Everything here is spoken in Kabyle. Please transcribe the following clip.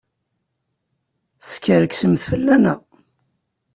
Teskerksemt fell-aneɣ!